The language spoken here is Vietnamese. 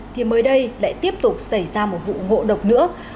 thì mới đây lại tiếp tục xảy ra một vụ ngộ độc nữa